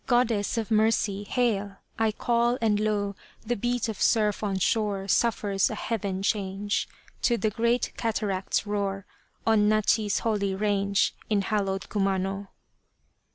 Goddess of Mercy, hail ! I call and lo ! The beat of surf on shore Suffers a heaven change To the great cataract's roar On Nachi's holy range In hallowed Kumano.